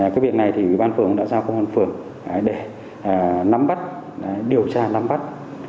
cái việc này thì ủy ban phường đã giao công an phường để nắm bắt điều tra nắm bắt